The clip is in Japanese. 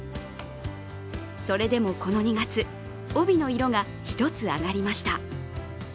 それでもこの２月、帯の色が１つ上がりました。